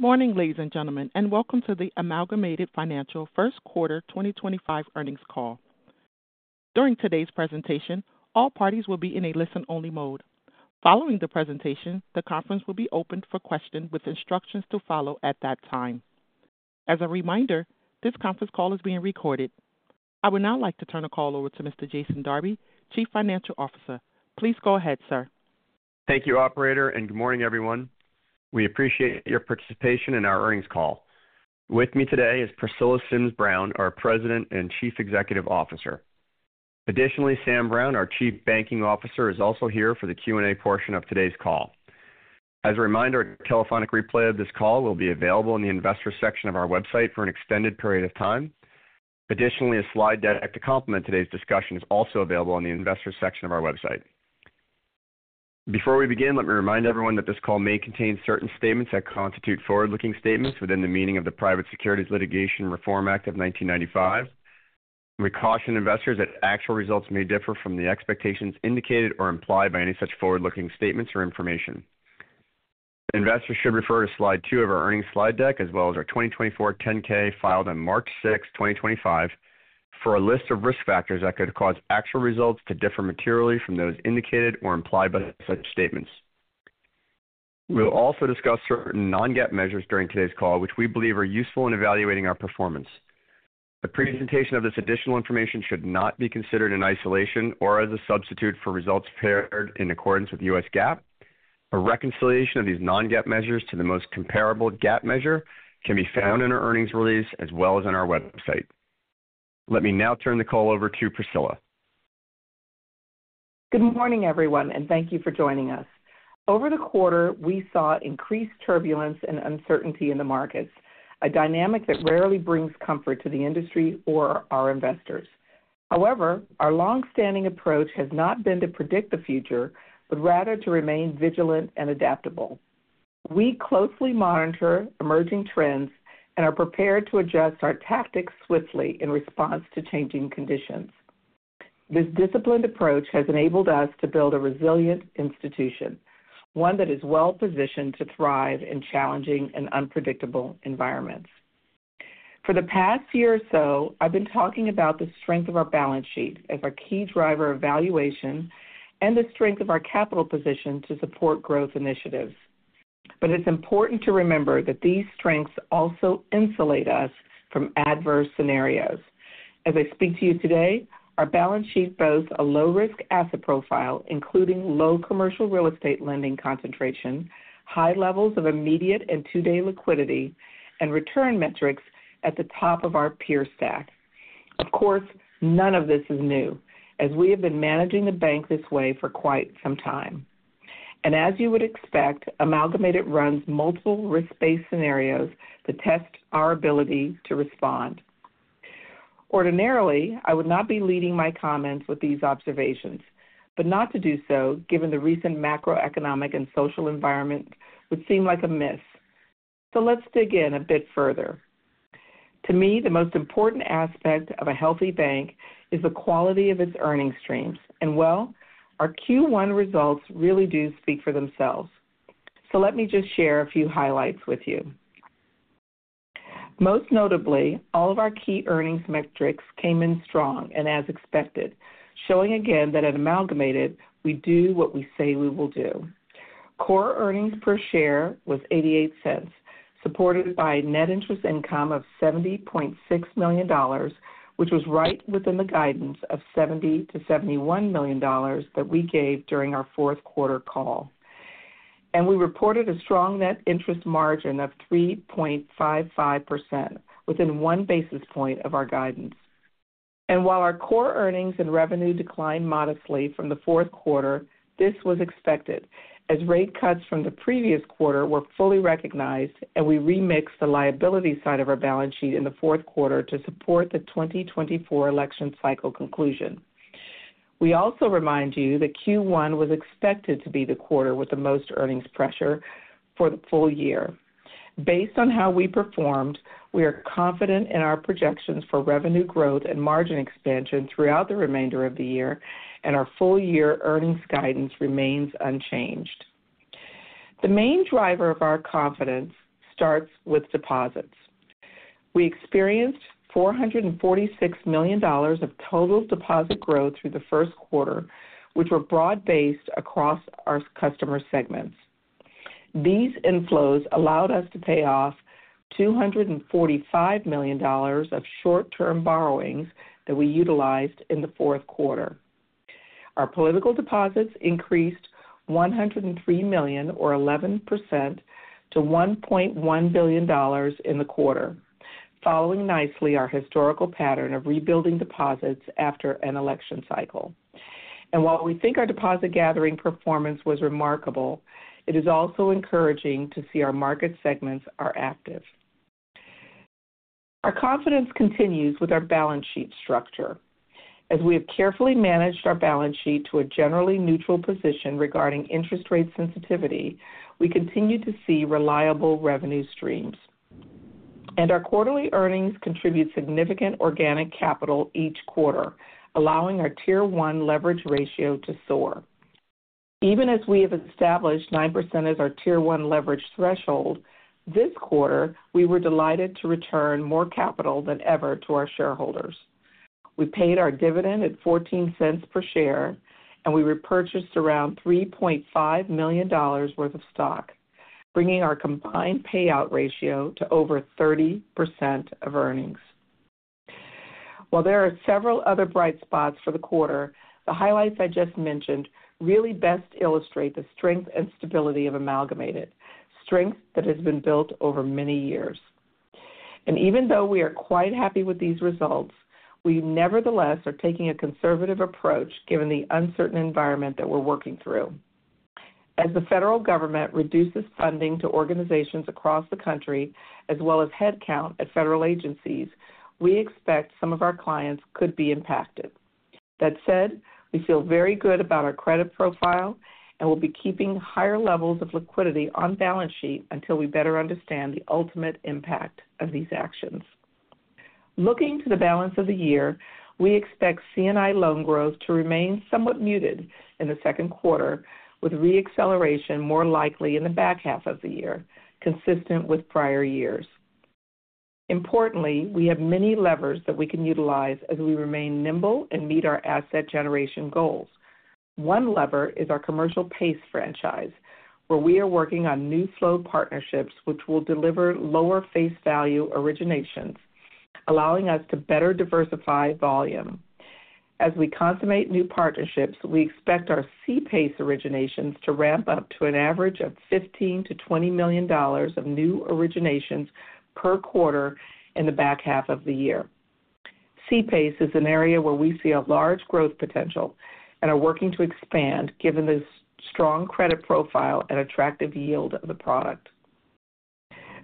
Good morning, ladies and gentlemen, and welcome to the Amalgamated Financial First Quarter 2025 Earnings call. During today's presentation, all parties will be in a listen-only mode. Following the presentation, the conference will be open for questions with instructions to follow at that time. As a reminder, this conference call is being recorded. I would now like to turn the call over to Mr. Jason Darby, Chief Financial Officer. Please go ahead, sir. Thank you, Operator, and good morning, everyone. We appreciate your participation in our earnings call. With me today is Priscilla Sims Brown, our President and Chief Executive Officer. Additionally, Sam Brown, our Chief Banking Officer, is also here for the Q&A portion of today's call. As a reminder, a telephonic replay of this call will be available in the investor section of our website for an extended period of time. Additionally, a slide deck to complement today's discussion is also available in the investor section of our website. Before we begin, let me remind everyone that this call may contain certain statements that constitute forward-looking statements within the meaning of the Private Securities Litigation Reform Act of 1995. We caution investors that actual results may differ from the expectations indicated or implied by any such forward-looking statements or information. Investors should refer to slide two of our earnings slide deck, as well as our 2024 10-K filed on March 6, 2025, for a list of risk factors that could cause actual results to differ materially from those indicated or implied by such statements. We'll also discuss certain non-GAAP measures during today's call, which we believe are useful in evaluating our performance. The presentation of this additional information should not be considered in isolation or as a substitute for results prepared in accordance with U.S. GAAP. A reconciliation of these non-GAAP measures to the most comparable GAAP measure can be found in our earnings release, as well as on our website. Let me now turn the call over to Priscilla. Good morning, everyone, and thank you for joining us. Over the quarter, we saw increased turbulence and uncertainty in the markets, a dynamic that rarely brings comfort to the industry or our investors. However, our longstanding approach has not been to predict the future, but rather to remain vigilant and adaptable. We closely monitor emerging trends and are prepared to adjust our tactics swiftly in response to changing conditions. This disciplined approach has enabled us to build a resilient institution, one that is well-positioned to thrive in challenging and unpredictable environments. For the past year or so, I've been talking about the strength of our balance sheet as our key driver of valuation and the strength of our capital position to support growth initiatives. It is important to remember that these strengths also insulate us from adverse scenarios. As I speak to you today, our balance sheet boasts a low-risk asset profile, including low Commercial Real Estate lending concentration, high levels of immediate and two-day liquidity, and return metrics at the top of our peer stack. Of course, none of this is new, as we have been managing the bank this way for quite some time. As you would expect, Amalgamated runs multiple risk-based scenarios to test our ability to respond. Ordinarily, I would not be leading my comments with these observations, but not to do so, given the recent macroeconomic and social environment, would seem like a miss. Let's dig in a bit further. To me, the most important aspect of a healthy bank is the quality of its earnings streams. Well, our Q1 results really do speak for themselves. Let me just share a few highlights with you. Most notably, all of our key earnings metrics came in strong and as expected, showing again that at Amalgamated, we do what we say we will do. Core earnings per share was $0.88, supported by net interest income of $70.6 million, which was right within the guidance of $70 to $71 million that we gave during our fourth quarter call. We reported a strong net interest margin of 3.55%, within one basis point of our guidance. While our core earnings and revenue declined modestly from the fourth quarter, this was expected, as rate cuts from the previous quarter were fully recognized, and we remixed the liability side of our balance sheet in the fourth quarter to support the 2024 election cycle conclusion. We also remind you that Q1 was expected to be the quarter with the most earnings pressure for the full year. Based on how we performed, we are confident in our projections for revenue growth and margin expansion throughout the remainder of the year, and our full-year earnings guidance remains unchanged. The main driver of our confidence starts with deposits. We experienced $446 million of total deposit growth through the first quarter, which were broad-based across our customer segments. These inflows allowed us to pay off $245 million of short-term borrowings that we utilized in the fourth quarter. Our political deposits increased $103 million, or 11%, to $1.1 billion in the quarter, following nicely our historical pattern of rebuilding deposits after an election cycle. While we think our deposit gathering performance was remarkable, it is also encouraging to see our market segments are active. Our confidence continues with our balance sheet structure. As we have carefully managed our balance sheet to a generally neutral position regarding interest rate sensitivity, we continue to see reliable revenue streams. Our quarterly earnings contribute significant organic capital each quarter, allowing our Tier 1 leverage ratio to soar. Even as we have established 9% as our Tier 1 leverage threshold, this quarter, we were delighted to return more capital than ever to our shareholders. We paid our dividend at $0.14 per share, and we repurchased around $3.5 million worth of stock, bringing our combined payout ratio to over 30% of earnings. While there are several other bright spots for the quarter, the highlights I just mentioned really best illustrate the strength and stability of Amalgamated, strength that has been built over many years. Even though we are quite happy with these results, we nevertheless are taking a conservative approach given the uncertain environment that we're working through. As the federal government reduces funding to organizations across the country, as well as headcount at federal agencies, we expect some of our clients could be impacted. That said, we feel very good about our credit profile and will be keeping higher levels of liquidity on balance sheet until we better understand the ultimate impact of these actions. Looking to the balance of the year, we expect C&I loan growth to remain somewhat muted in the second quarter, with re-acceleration more likely in the back half of the year, consistent with prior years. Importantly, we have many levers that we can utilize as we remain nimble and meet our asset generation goals. One lever is our Commercial PACE franchise, where we are working on new flow partnerships, which will deliver lower face value originations, allowing us to better diversify volume. As we consummate new partnerships, we expect our C-PACE originations to ramp up to an average of $15 million to $20 million of new originations per quarter in the back half of the year. C-PACE is an area where we see a large growth potential and are working to expand given the strong credit profile and attractive yield of the product.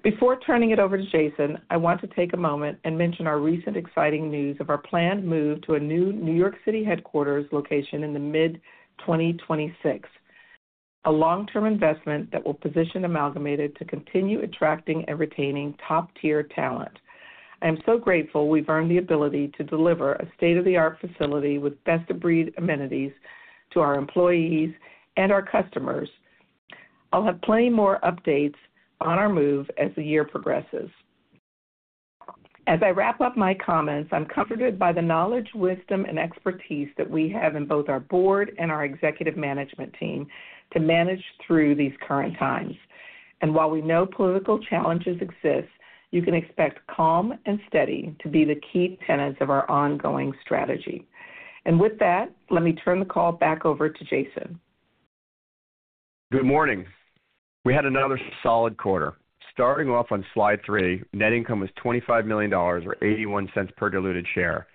Before turning it over to Jason, I want to take a moment and mention our recent exciting news of our planned move to a new New York City headquarters location in mid-2026, a long-term investment that will position Amalgamated to continue attracting and retaining top-tier talent. I am so grateful we've earned the ability to deliver a state-of-the-art facility with best-of-breed amenities to our employees and our customers. I'll have plenty more updates on our move as the year progresses. As I wrap up my comments, I'm comforted by the knowledge, wisdom, and expertise that we have in both our Board and our executive management team to manage through these current times. While we know political challenges exist, you can expect calm and steady to be the key tenets of our ongoing strategy. With that, let me turn the call back over to Jason. Good morning. We had another solid quarter. Starting off on slide three, net income was $25 million, or $0.81 per diluted share.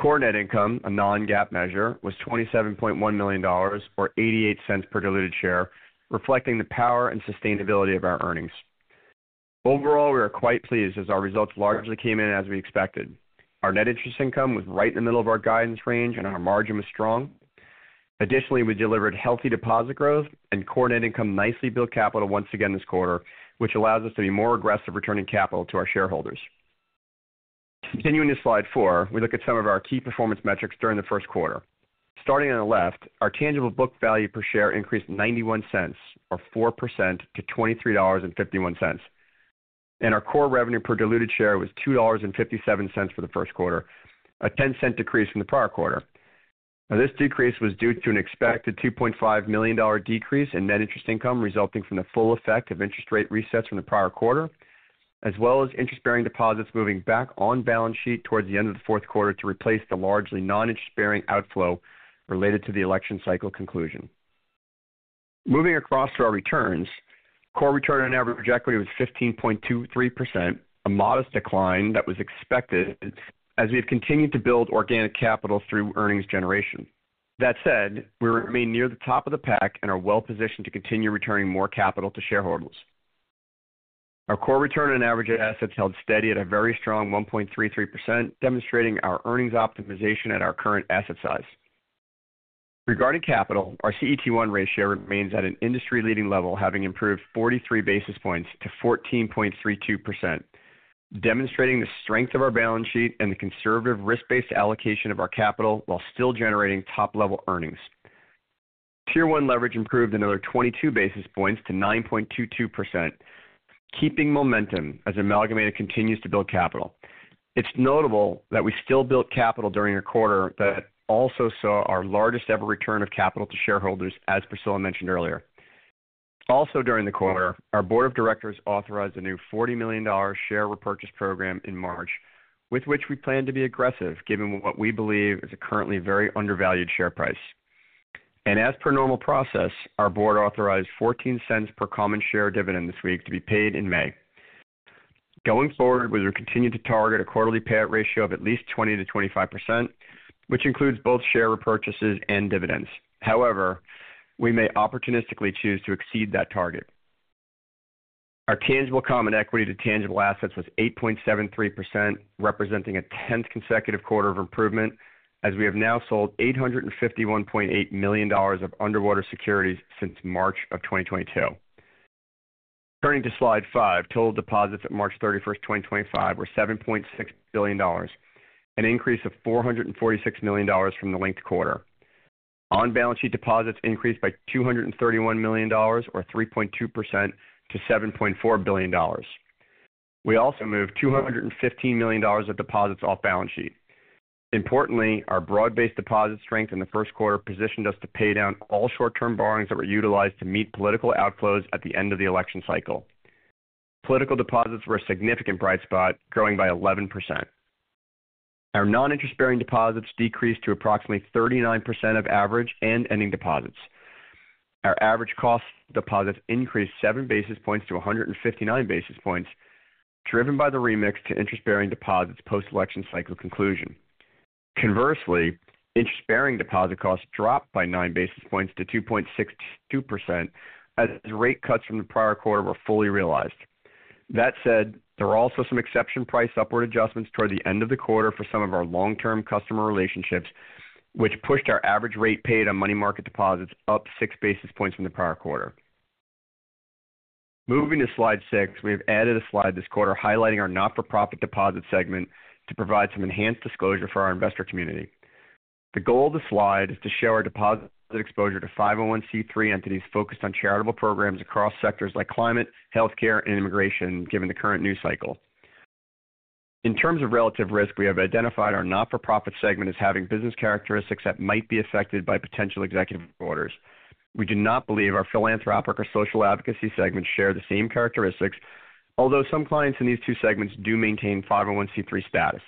Core net income, a non-GAAP measure, was $27.1 million, or $0.88 per diluted share, reflecting the power and sustainability of our earnings. Overall, we are quite pleased as our results largely came in as we expected. Our net interest income was right in the middle of our guidance range, and our margin was strong. Additionally, we delivered healthy deposit growth, and core net income nicely built capital once again this quarter, which allows us to be more aggressive returning capital to our shareholders. Continuing to slide four, we look at some of our key performance metrics during the first quarter. Starting on the left, our tangible book value per share increased $0.91, or 4%, to $23.51. Our core revenue per diluted share was $2.57 for the first quarter, a $0.10 decrease from the prior quarter. This decrease was due to an expected $2.5 million decrease in net interest income resulting from the full effect of interest rate resets from the prior quarter, as well as interest-bearing deposits moving back on balance sheet towards the end of the fourth quarter to replace the largely non-interest-bearing outflow related to the election cycle conclusion. Moving across to our returns, core return on average equity was 15.23%, a modest decline that was expected as we have continued to build organic capital through earnings generation. That said, we remain near the top of the pack and are well-positioned to continue returning more capital to shareholders. Our core return on average assets held steady at a very strong 1.33%, demonstrating our earnings optimization at our current asset size. Regarding capital, our CET1 ratio remains at an industry-leading level, having improved 43 basis points to 14.32%, demonstrating the strength of our balance sheet and the conservative risk-based allocation of our capital while still generating top-level earnings. Tier 1 leverage improved another 22 basis points to 9.22%, keeping momentum as Amalgamated continues to build capital. It is notable that we still built capital during a quarter that also saw our largest ever return of capital to shareholders, as Priscilla mentioned earlier. Also, during the quarter, our Board of Directors authorized a new $40 million share repurchase program in March, with which we plan to be aggressive given what we believe is a currently very undervalued share price. As per normal process, our board authorized $0.14 per common share dividend this week to be paid in May. Going forward, we will continue to target a quarterly payout ratio of at least 20% to 25%, which includes both share repurchases and dividends. However, we may opportunistically choose to exceed that target. Our tangible common equity to tangible assets was 8.73%, representing a 10th consecutive quarter of improvement, as we have now sold $851.8 million of underwater securities since March of 2022. Turning to slide five, total deposits at March 31, 2025, were $7.6 billion, an increase of $446 million from the linked quarter. On-balance sheet deposits increased by $231 million, or 3.2%, to $7.4 billion. We also moved $215 million of deposits off-balance sheet. Importantly, our broad-based deposit strength in the first quarter positioned us to pay down all short-term borrowings that were utilized to meet political outflows at the end of the election cycle. Political deposits were a significant bright spot, growing by 11%. Our non-interest-bearing deposits decreased to approximately 39% of average and ending deposits. Our average cost deposits increased 7 basis points to 159 basis points, driven by the remix to interest-bearing deposits post-election cycle conclusion. Conversely, interest-bearing deposit costs dropped by 9 basis points to 2.62% as rate cuts from the prior quarter were fully realized. That said, there were also some exception price upward adjustments toward the end of the quarter for some of our long-term customer relationships, which pushed our average rate paid on money market deposits up 6 basis points from the prior quarter. Moving to slide six, we have added a slide this quarter highlighting our Not-for-profit deposit segment to provide some enhanced disclosure for our investor community. The goal of the slide is to show our deposit exposure to 501(c)(3) entities focused on charitable programs across sectors like climate, healthcare, and immigration, given the current news cycle. In terms of relative risk, we have identified our Not-for-profit segment as having business characteristics that might be affected by potential executive orders. We do not believe our philanthropic or social advocacy segments share the same characteristics, although some clients in these two segments do maintain 501(c)(3) status.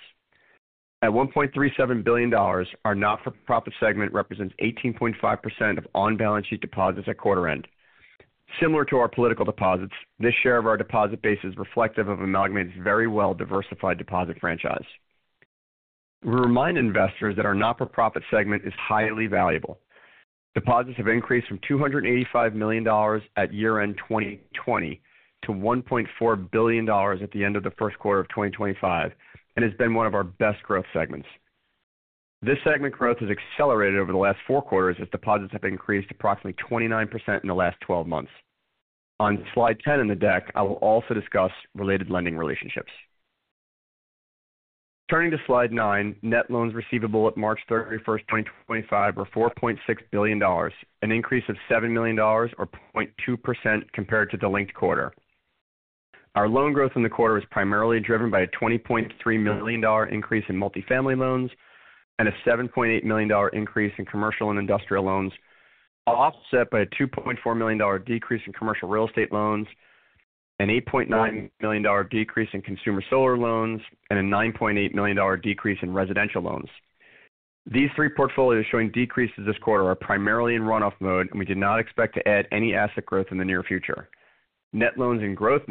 At $1.37 billion, our Not-for-profit segment represents 18.5% of on-balance sheet deposits at quarter end. Similar to our political deposits, this share of our deposit base is reflective of Amalgamated's very well-diversified deposit franchise. We remind investors that our Not-for-profit segment is highly valuable. Deposits have increased from $285 million at year-end 2020 to $1.4 billion at the end of the first quarter of 2025 and has been one of our best growth segments. This segment growth has accelerated over the last four quarters as deposits have increased approximately 29% in the last 12 months. On slide 10 in the deck, I will also discuss related lending relationships. Turning to slide nine, net loans receivable at March 31, 2025, were $4.6 billion, an increase of $7 million, or 0.2%, compared to the linked quarter. Our loan growth in the quarter was primarily driven by a $20.3 million increase in multifamily loans and a $7.8 million increase in Commercial and Industrial loans, offset by a $2.4 million decrease in commercial real estate loans, an $8.9 million decrease in Consumer Solar loans, and a $9.8 million decrease in residential loans. These three portfolios showing decreases this quarter are primarily in runoff mode, and we do not expect to add any asset growth in the near future. Net loans in growth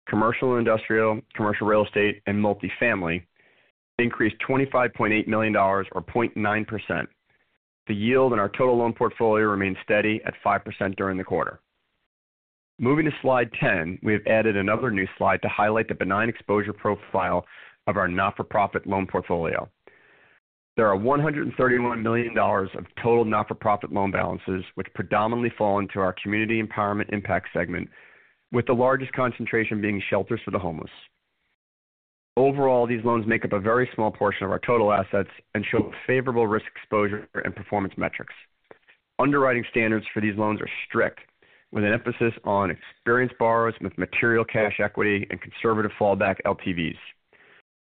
mode, Commercial and Industrial, commercial real estate, and multifamily increased $25.8 million, or 0.9%. The yield in our total loan portfolio remained steady at 5% during the quarter. Moving to slide 10, we have added another new slide to highlight the benign exposure profile of our Not-for-profit loan portfolio. There are $131 million of total Not-for-profit loan balances, which predominantly fall into our Community Empowerment impact segment, with the largest concentration being shelters for the homeless. Overall, these loans make up a very small portion of our total assets and show favorable risk exposure and performance metrics. Underwriting standards for these loans are strict, with an emphasis on experienced borrowers with material cash equity and conservative fallback LTVs.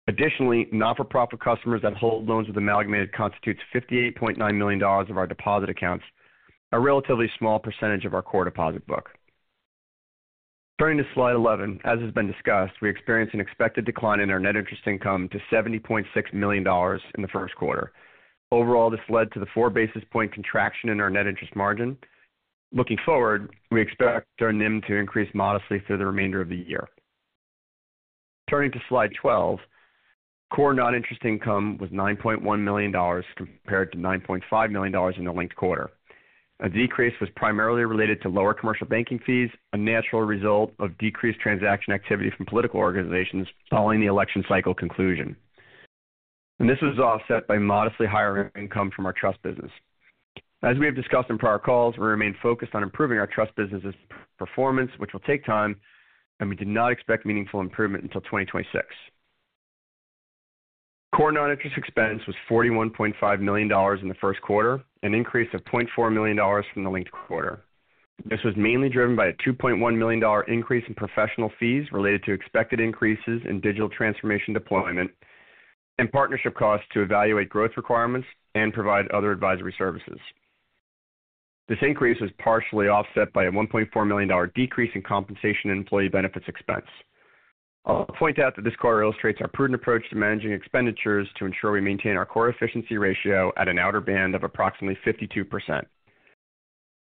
Additionally, Not-for-profit customers that hold loans with Amalgamated constitutes $58.9 million of our deposit accounts, a relatively small percentage of our core deposit book. Turning to slide 11, as has been discussed, we experienced an expected decline in our net interest income to $70.6 million in the first quarter. Overall, this led to the 4 basis point contraction in our net interest margin. Looking forward, we expect our NIM to increase modestly through the remainder of the year. Turning to slide 12, core non-interest income was $9.1 million compared to $9.5 million in the linked quarter. A decrease was primarily related to lower commercial banking fees, a natural result of decreased transaction activity from political organizations following the election cycle conclusion. This was offset by modestly higher income from our trust business. As we have discussed in prior calls, we remain focused on improving our trust business's performance, which will take time, and we do not expect meaningful improvement until 2026. Core non-interest expense was $41.5 million in the first quarter, an increase of $0.4 million from the linked quarter. This was mainly driven by a $2.1 million increase in professional fees related to expected increases in digital transformation deployment and partnership costs to evaluate growth requirements and provide other advisory services. This increase was partially offset by a $1.4 million decrease in compensation and employee benefits expense. I'll point out that this quarter illustrates our prudent approach to managing expenditures to ensure we maintain our core efficiency ratio at an outer band of approximately 52%.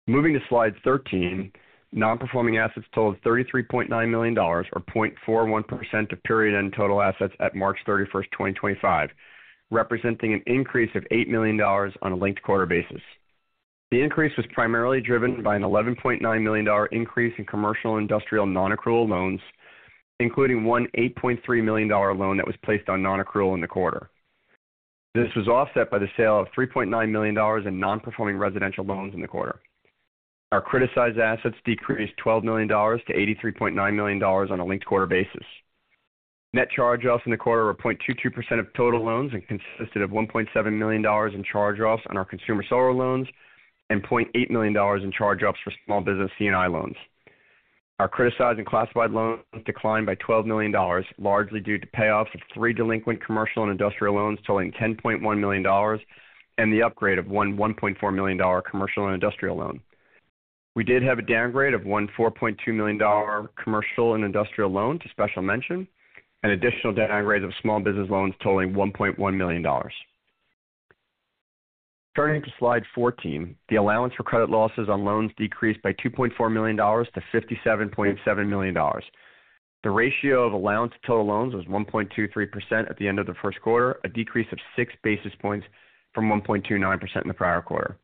Moving to slide 13, non-performing assets totaled $33.9 million, or 0.41% of period-end total assets at March 31, 2025, representing an increase of $8 million on a linked quarter basis. The increase was primarily driven by an $11.9 million increase in Commercial and Industrial non-accrual loans, including one $8.3 million loan that was placed on non-accrual in the quarter. This was offset by the sale of $3.9 million in non-performing residential loans in the quarter. Our criticized assets decreased $12 million to $83.9 million on a linked quarter basis. Net charge-offs in the quarter were 0.22% of total loans and consisted of $1.7 million in charge-offs on our Consumer Solar loans and $0.8 million in charge-offs for small business C&I loans. Our criticized and classified loans declined by $12 million, largely due to payoffs of three delinquent Commercial and Industrial loans totaling $10.1 million and the upgrade of one $1.4 million Commercial and Industrial loan. We did have a downgrade of one $4.2 million Commercial and Industrial loan to Special Mention and additional downgrades of small business loans totaling $1.1 million. Turning to slide 14, the allowance for credit losses on loans decreased by $2.4 million to $57.7 million. The ratio of allowance to total loans was 1.23% at the end of the first quarter, a decrease of 6 basis points from 1.29% in the prior quarter.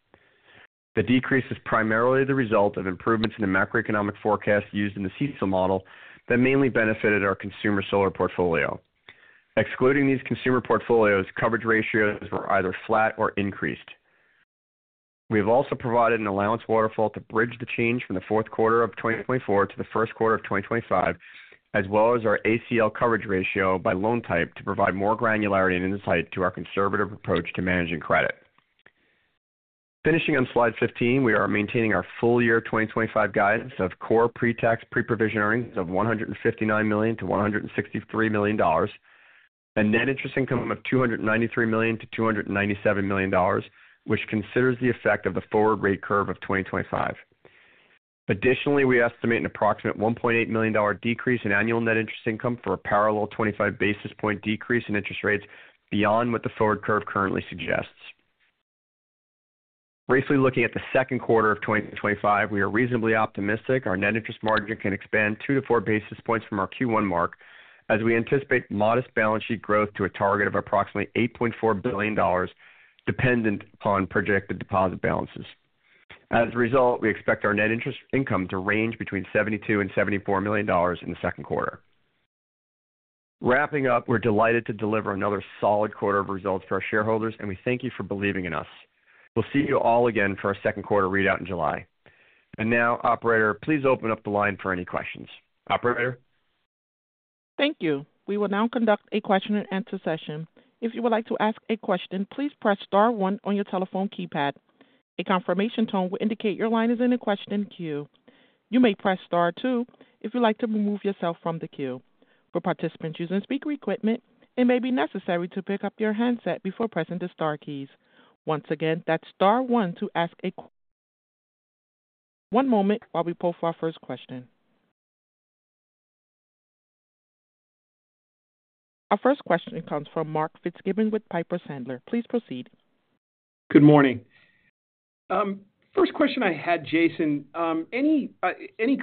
The decrease is primarily the result of improvements in the macroeconomic forecast used in the CECL model that mainly benefited our Consumer Solar portfolio. Excluding these consumer portfolios, coverage ratios were either flat or increased. We have also provided an allowance waterfall to bridge the change from the fourth quarter of 2024 to the first quarter of 2025, as well as our ACL coverage ratio by loan type to provide more granularity and insight to our conservative approach to managing credit. Finishing on slide 15, we are maintaining our full year 2025 guidance of core pre-tax pre-provision earnings of $159 million to $163 million, and net interest income of $293 million to $297 million, which considers the effect of the forward rate curve of 2025. Additionally, we estimate an approximate $1.8 million decrease in annual net interest income for a parallel 25 basis point decrease in interest rates beyond what the forward curve currently suggests. Briefly looking at the second quarter of 2025, we are reasonably optimistic our net interest margin can expand 2 to 4 basis points from our Q1 mark as we anticipate modest balance sheet growth to a target of approximately $8.4 billion dependent upon projected deposit balances. As a result, we expect our net interest income to range between $72 million and $74 million in the second quarter. Wrapping up, we're delighted to deliver another solid quarter of results for our shareholders, and we thank you for believing in us. We'll see you all again for our second quarter readout in July. Now, Operator, please open up the line for any questions. Operator? Thank you. We will now conduct a question-and-answer session. If you would like to ask a question, please press Star one on your telephone keypad. A confirmation tone will indicate your line is in a question queue. You may press Star two if you'd like to remove yourself from the queue. For participants using speaker equipment, it may be necessary to pick up your handset before pressing the star keys. Once again, that's Star one to ask a question. One moment while we pull for our first question. Our first question comes from Mark Fitzgibbon with Piper Sandler. Please proceed. Good morning. First question I had, Jason, any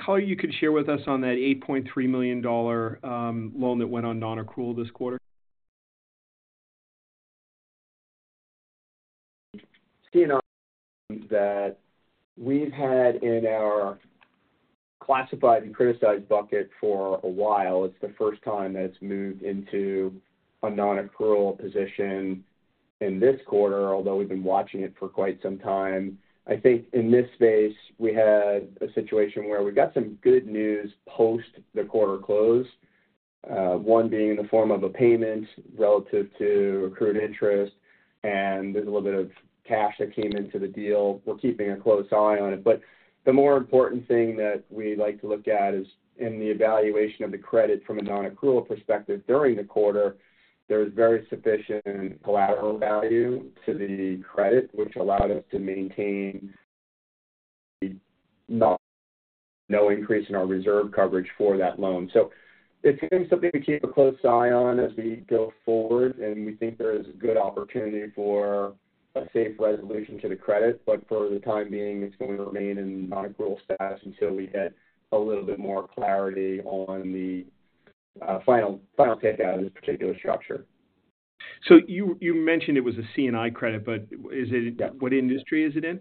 color you could share with us on that $8.3 million loan that went on non-accrual this quarter? See, that we've had in our classified and criticized bucket for a while. It's the first time that it's moved into a non-accrual position in this quarter, although we've been watching it for quite some time. I think in this space, we had a situation where we got some good news post the quarter close, one being in the form of a payment relative to accrued interest, and there's a little bit of cash that came into the deal. We're keeping a close eye on it. The more important thing that we like to look at is in the evaluation of the credit from a non-accrual perspective during the quarter, there is very sufficient collateral value to the credit, which allowed us to maintain no increase in our reserve coverage for that loan. It is going to be something to keep a close eye on as we go forward, and we think there is good opportunity for a safe resolution to the credit. For the time being, it's going to remain in non-accrual status until we get a little bit more clarity on the final takeout of this particular structure. You mentioned it was a C&I credit, but what industry is it in?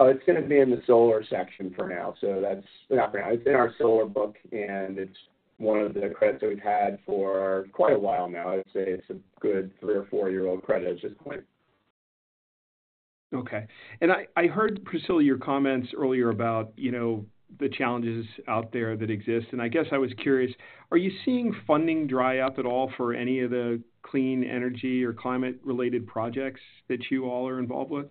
It's going to be in the solar section for now, so that's not for now. It's in our solar book, and it's one of the credits that we've had for quite a while now. I'd say it's a good three or four-year-old credit at this point. Okay. I heard, Priscilla, your comments earlier about the challenges out there that exist. I guess I was curious, are you seeing funding dry up at all for any of the clean energy or climate-related projects that you all are involved with?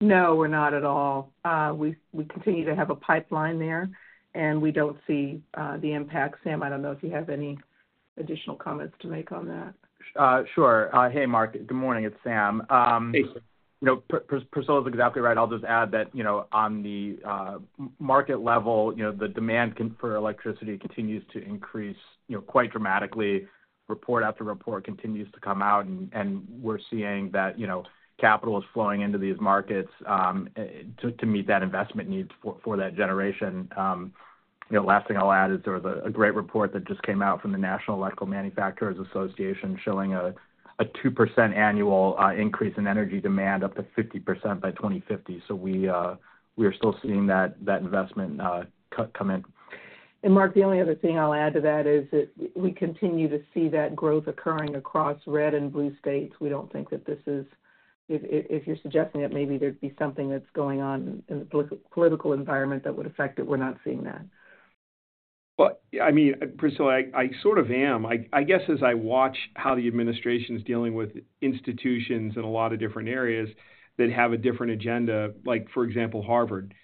No, we're not at all. We continue to have a pipeline there, and we don't see the impact. Sam, I don't know if you have any additional comments to make on that. Sure. Hey, Mark. Good morning. It's Sam. Priscilla is exactly right. I'll just add that on the market level, the demand for electricity continues to increase quite dramatically. Report after report continues to come out, and we're seeing that capital is flowing into these markets to meet that investment need for that generation. The last thing I'll add is there was a great report that just came out from the National Electrical Manufacturers Association showing a 2% annual increase in energy demand up to 50% by 2050. We are still seeing that investment come in. Mark, the only other thing I'll add to that is that we continue to see that growth occurring across red and blue states. We don't think that this is, if you're suggesting that maybe there'd be something that's going on in the political environment that would affect it, we're not seeing that. I mean, Priscilla, I sort of am. I guess as I watch how the administration is dealing with institutions in a lot of different areas that have a different agenda, like for example, Harvard,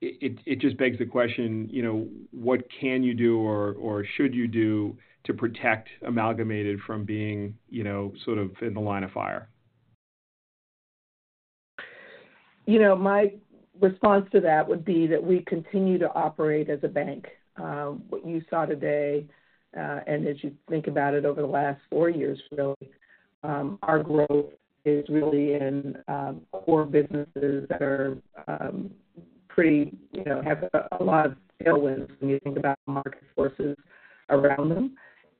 it just begs the question, what can you do or should you do to protect Amalgamated from being sort of in the line of fire? My response to that would be that we continue to operate as a bank. What you saw today and as you think about it over the last four years, really, our growth is really in core businesses that are pretty have a lot of tailwinds when you think about the market forces around them.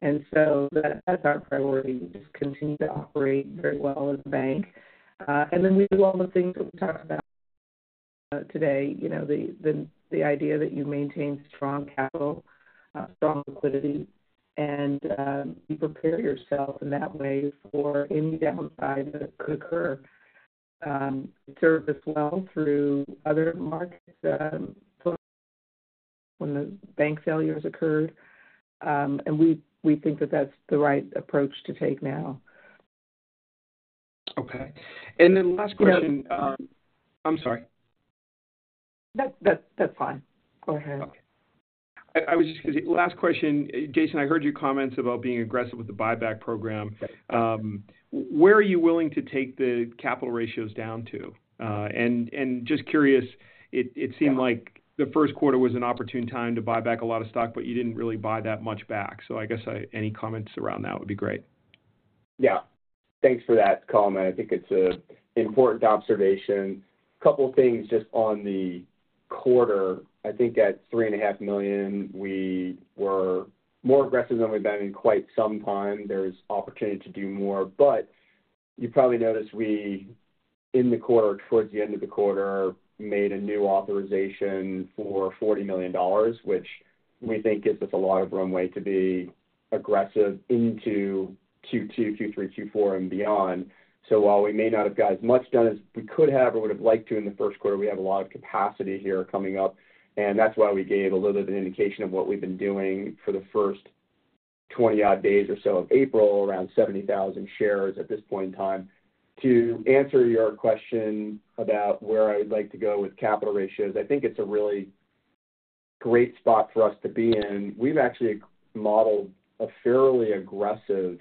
That is our priority, to continue to operate very well as a bank. We do all the things that we talked about today, the idea that you maintain strong capital, strong liquidity, and you prepare yourself in that way for any downside that could occur. It served us well through other markets when the bank failures occurred, and we think that is the right approach to take now. Okay. Last question. I'm sorry. That is fine. Go ahead. I was just going to say, last question. Jason, I heard your comments about being aggressive with the buyback program. Where are you willing to take the capital ratios down to? Just curious, it seemed like the first quarter was an opportune time to buy back a lot of stock, but you did not really buy that much back. I guess any comments around that would be great. Yeah. Thanks for that comment. I think it's an important observation. A couple of things just on the quarter. I think at $3.5 million, we were more aggressive than we've been in quite some time. There's opportunity to do more. You probably noticed we, in the quarter, towards the end of the quarter, made a new authorization for $40 million, which we think gives us a lot of runway to be aggressive into Q2, Q3, Q4, and beyond. While we may not have got as much done as we could have or would have liked to in the first quarter, we have a lot of capacity here coming up. That is why we gave a little bit of an indication of what we have been doing for the first 20-odd days or so of April, around 70,000 shares at this point in time. To answer your question about where I would like to go with capital ratios, I think it is a really great spot for us to be in. We have actually modeled a fairly aggressive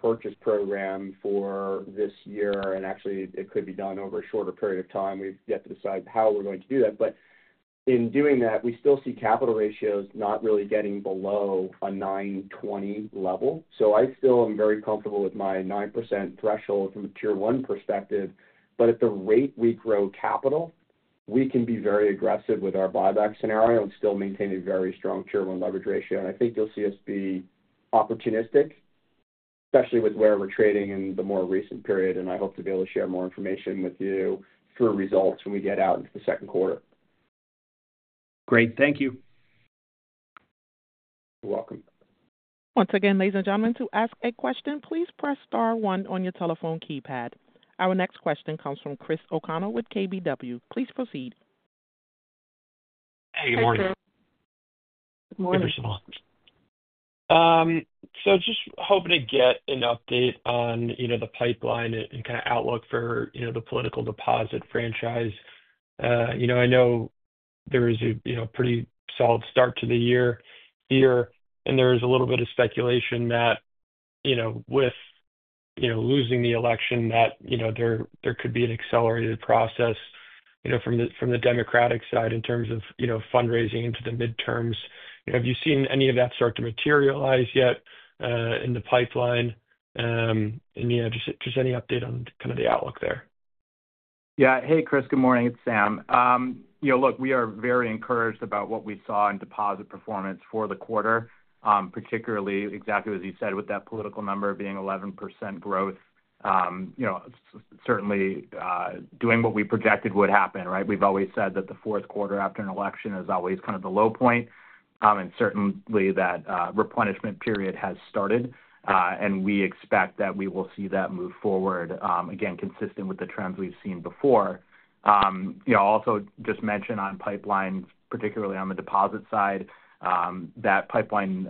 purchase program for this year, and actually, it could be done over a shorter period of time. We have yet to decide how we are going to do that. In doing that, we still see capital ratios not really getting below a 9.20 level. I still am very comfortable with my 9% threshold from a Tier 1 perspective. At the rate we grow capital, we can be very aggressive with our buyback scenario and still maintain a very strong Tier 1 leverage ratio. I think you'll see us be opportunistic, especially with where we're trading in the more recent period. I hope to be able to share more information with you through results when we get out into the second quarter. Great. Thank you. You're welcome. Once again, ladies and gentlemen, to ask a question, please press Star one on your telephone keypad. Our next question comes from Chris O'Connell with KBW. Please proceed. Hey. Good morning. Good morning. Hey, Priscilla. Just hoping to get an update on the pipeline and kind of outlook for the political deposit franchise. I know there is a pretty solid start to the year, and there is a little bit of speculation that with losing the election, there could be an accelerated process from the Democratic side in terms of fundraising into the midterms. Have you seen any of that start to materialize yet in the pipeline? Just any update on kind of the outlook there? Yeah. Hey, Chris. Good morning. It's Sam. Look, we are very encouraged about what we saw in deposit performance for the quarter, particularly exactly as you said, with that political number being 11% growth, certainly doing what we projected would happen, right? We've always said that the fourth quarter after an election is always kind of the low point, and certainly that replenishment period has started. We expect that we will see that move forward again, consistent with the trends we've seen before. Also, just mention on pipelines, particularly on the deposit side, that pipeline,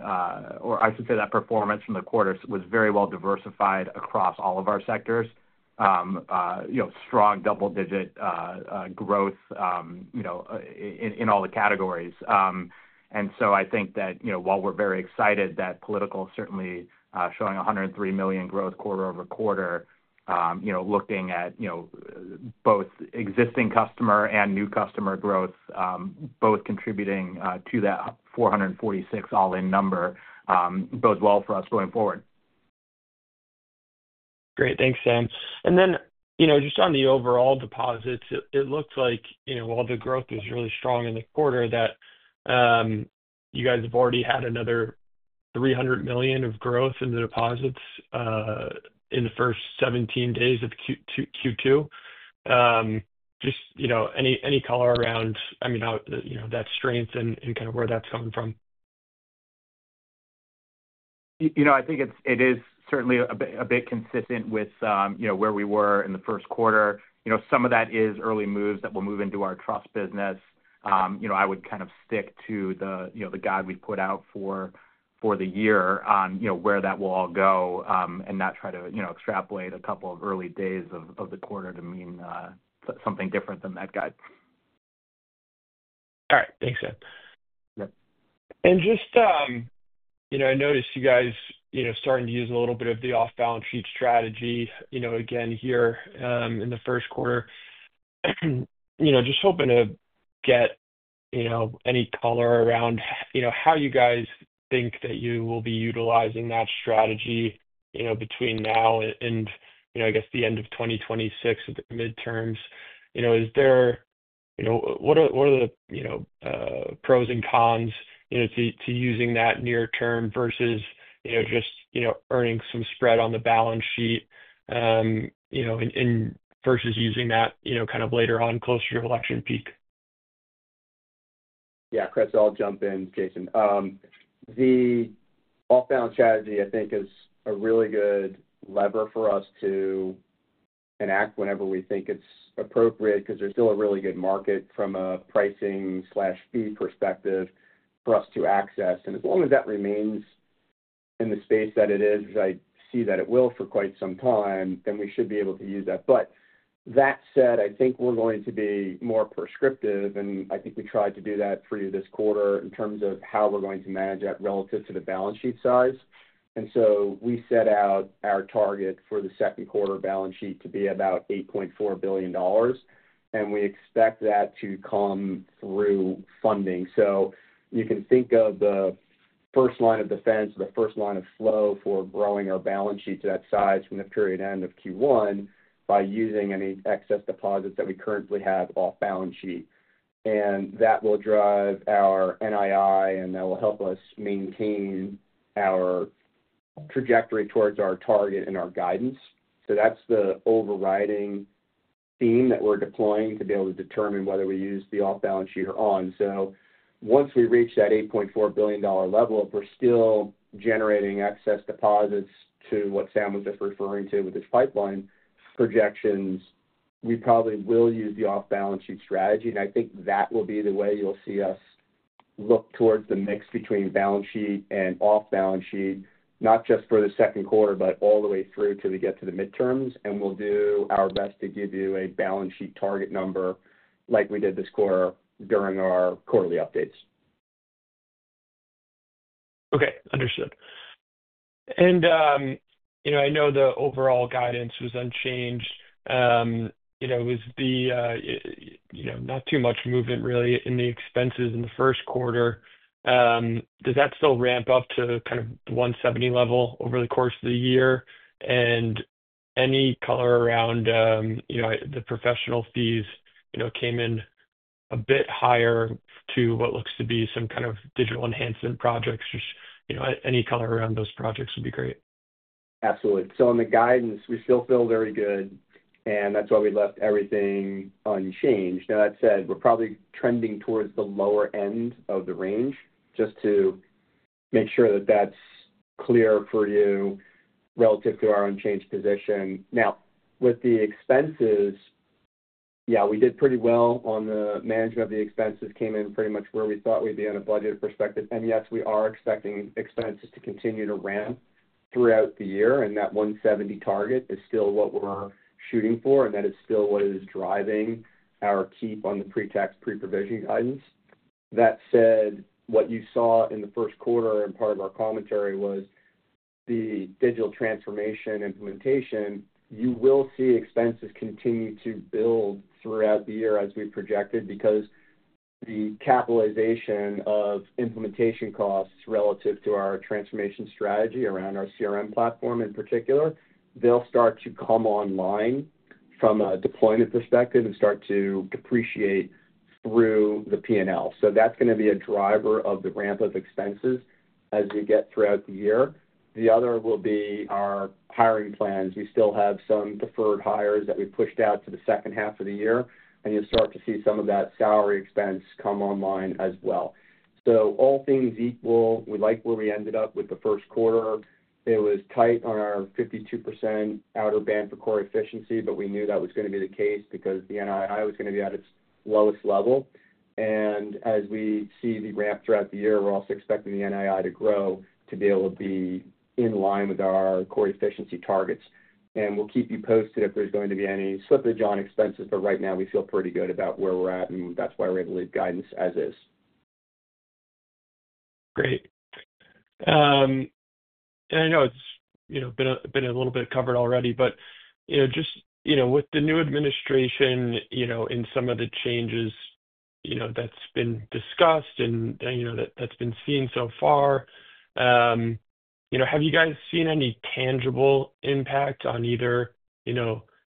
or I should say that performance from the quarter was very well diversified across all of our sectors, strong double-digit growth in all the categories. I think that while we're very excited that political is certainly showing $103 million growth quarter over quarter, looking at both existing customer and new customer growth, both contributing to that $446 million all-in number, both well for us going forward. Great. Thanks, Sam. Then just on the overall deposits, it looks like while the growth was really strong in the quarter, you guys have already had another $300 million of growth in the deposits in the first 17 days of Q2. Just any color around, I mean, that strength and kind of where that's coming from? I think it is certainly a bit consistent with where we were in the first quarter. Some of that is early moves that will move into our trust business. I would kind of stick to the guide we've put out for the year on where that will all go and not try to extrapolate a couple of early days of the quarter to mean something different than that guide. All right. Thanks, Sam. I noticed you guys starting to use a little bit of the off-balance sheet strategy again here in the first quarter. Just hoping to get any color around how you guys think that you will be utilizing that strategy between now and, I guess, the end of 2026 at the midterms. What are the pros and cons to using that near-term versus just earning some spread on the balance sheet versus using that kind of later on closer to election peak? Yeah. Chris, I'll jump in, Jason. The off-balance strategy, I think, is a really good lever for us to enact whenever we think it's appropriate because there's still a really good market from a pricing/fee perspective for us to access. As long as that remains in the space that it is, as I see that it will for quite some time, then we should be able to use that. That said, I think we're going to be more prescriptive, and I think we tried to do that for you this quarter in terms of how we're going to manage that relative to the balance sheet size. We set out our target for the second quarter balance sheet to be about $8.4 billion, and we expect that to come through funding. You can think of the first line of defense, the first line of flow for growing our balance sheet to that size from the period end of Q1 by using any excess deposits that we currently have off-balance sheet. That will drive our NII, and that will help us maintain our trajectory towards our target and our guidance. That is the overriding theme that we are deploying to be able to determine whether we use the off-balance sheet or on. Once we reach that $8.4 billion level, if we are still generating excess deposits to what Sam was just referring to with his pipeline projections, we probably will use the off-balance sheet strategy. I think that will be the way you'll see us look towards the mix between balance sheet and off-balance sheet, not just for the second quarter, but all the way through till we get to the midterms. We'll do our best to give you a balance sheet target number like we did this quarter during our quarterly updates. Okay. Understood. I know the overall guidance was unchanged. It was not too much movement, really, in the expenses in the first quarter. Does that still ramp up to kind of $170 million level over the course of the year? Any color around the professional fees came in a bit higher to what looks to be some kind of digital enhancement projects? Just any color around those projects would be great. Absolutely. On the guidance, we still feel very good, and that's why we left everything unchanged. Now, that said, we're probably trending towards the lower end of the range just to make sure that that's clear for you relative to our unchanged position. Now, with the expenses, yeah, we did pretty well on the management of the expenses. Came in pretty much where we thought we'd be on a budget perspective. Yes, we are expecting expenses to continue to ramp throughout the year, and that $170 million target is still what we're shooting for, and that is still what is driving our keep on the pre-tax, pre-provision guidance. That said, what you saw in the first quarter and part of our commentary was the digital transformation implementation. You will see expenses continue to build throughout the year as we've projected because the capitalization of implementation costs relative to our transformation strategy around our CRM platform in particular, they'll start to come online from a deployment perspective and start to depreciate through the P&L. That is going to be a driver of the ramp of expenses as you get throughout the year. The other will be our hiring plans. We still have some deferred hires that we've pushed out to the second half of the year, and you'll start to see some of that salary expense come online as well. All things equal, we like where we ended up with the first quarter. It was tight on our 52% outer band for core efficiency, but we knew that was going to be the case because the NII was going to be at its lowest level. As we see the ramp throughout the year, we're also expecting the NII to grow to be able to be in line with our core efficiency targets. We'll keep you posted if there's going to be any slippage on expenses, but right now, we feel pretty good about where we're at, and that's why we're able to leave guidance as is. Great. I know it's been a little bit covered already, but just with the new administration and some of the changes that's been discussed and that's been seen so far, have you guys seen any tangible impact on either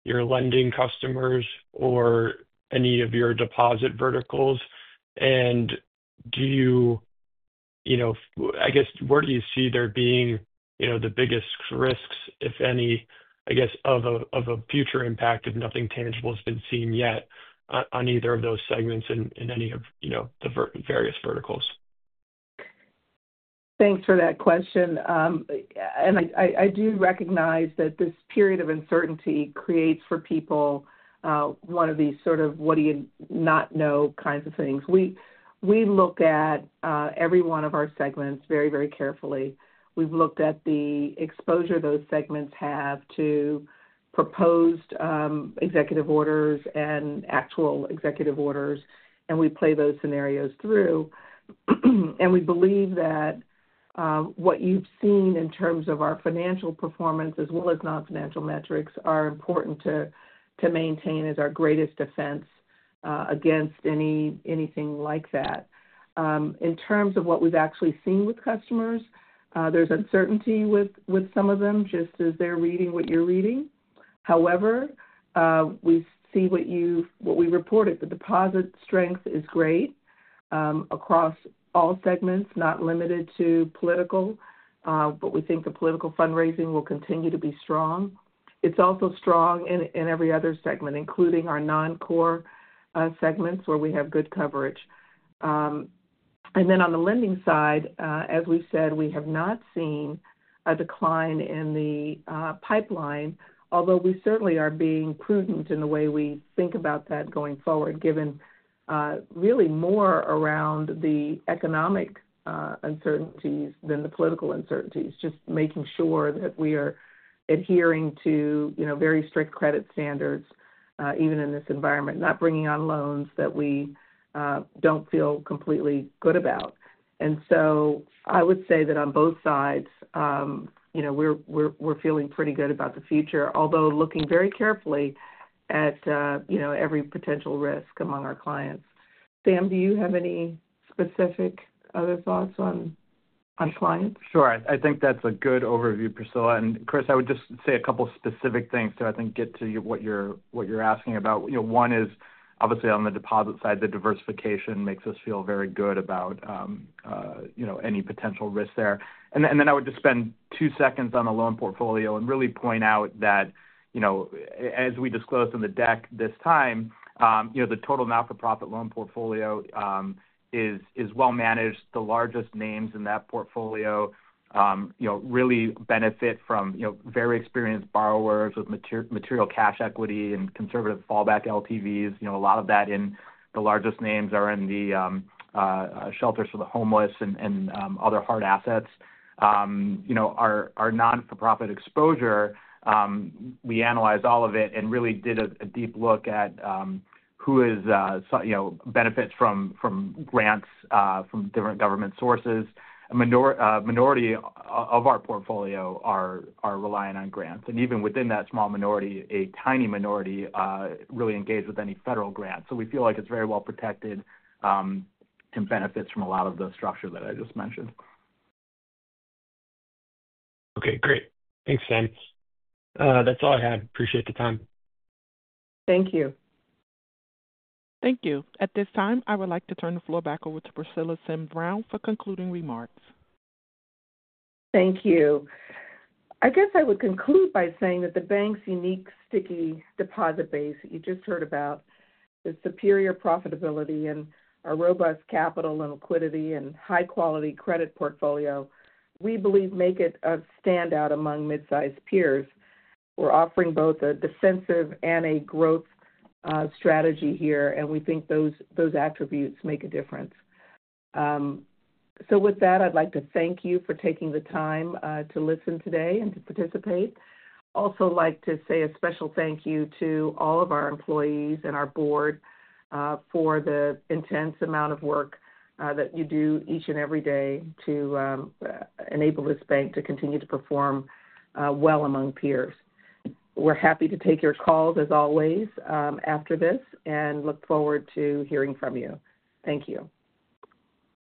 your lending customers or any of your deposit verticals? Do you, I guess, where do you see there being the biggest risks, if any, I guess, of a future impact if nothing tangible has been seen yet on either of those segments in any of the various verticals? Thanks for that question. I do recognize that this period of uncertainty creates for people one of these sort of what-do-you-not-know kinds of things. We look at every one of our segments very, very carefully. We have looked at the exposure those segments have to proposed executive orders and actual executive orders, and we play those scenarios through. We believe that what you have seen in terms of our financial performance as well as non-financial metrics are important to maintain as our greatest defense against anything like that. In terms of what we have actually seen with customers, there is uncertainty with some of them just as they are reading what you are reading. However, we see what we reported. The deposit strength is great across all segments, not limited to political, but we think the political fundraising will continue to be strong. It's also strong in every other segment, including our non-core segments where we have good coverage. On the lending side, as we've said, we have not seen a decline in the pipeline, although we certainly are being prudent in the way we think about that going forward, given really more around the economic uncertainties than the political uncertainties, just making sure that we are adhering to very strict credit standards even in this environment, not bringing on loans that we don't feel completely good about. I would say that on both sides, we're feeling pretty good about the future, although looking very carefully at every potential risk among our clients. Sam, do you have any specific other thoughts on clients? Sure. I think that's a good overview, Priscilla. Chris, I would just say a couple of specific things to, I think, get to what you're asking about. One is, obviously, on the deposit side, the diversification makes us feel very good about any potential risk there. I would just spend two seconds on the loan portfolio and really point out that as we disclosed in the deck this time, the total Not-for-profit loan portfolio is well-managed. The largest names in that portfolio really benefit from very experienced borrowers with material cash equity and conservative fallback LTVs. A lot of that in the largest names are in the shelters for the homeless and other hard assets. Our Not-for-profit exposure, we analyzed all of it and really did a deep look at who benefits from grants from different government sources. A minority of our portfolio are relying on grants. Even within that small minority, a tiny minority really engaged with any federal grants. We feel like it's very well protected and benefits from a lot of the structure that I just mentioned. Okay. Great. Thanks, Sam. That's all I have. Appreciate the time. Thank you. Thank you. At this time, I would like to turn the floor back over to Priscilla Sims Brown for concluding remarks. Thank you. I guess I would conclude by saying that the bank's unique sticky deposit base that you just heard about, the superior profitability and our robust capital and liquidity and high-quality credit portfolio, we believe make it a standout among mid-size peers. We're offering both a defensive and a growth strategy here, and we think those attributes make a difference. With that, I'd like to thank you for taking the time to listen today and to participate. I'd also like to say a special thank you to all of our employees and our board for the intense amount of work that you do each and every day to enable this bank to continue to perform well among peers. We're happy to take your calls as always after this and look forward to hearing from you. Thank you.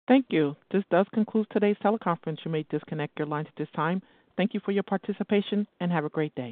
Thank you. This does conclude today's teleconference. You may disconnect your lines at this time. Thank you for your participation and have a great day.